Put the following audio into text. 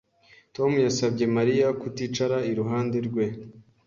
Tom yasabye Mariya kuticara iruhande rwe.